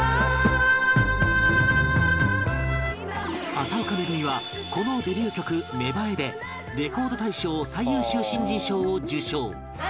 麻丘めぐみはこのデビュー曲『芽ばえ』でレコード大賞最優秀新人賞を受賞